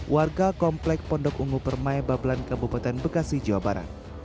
warga komplek pondok ungu permai babelan kabupaten bekasi jawa barat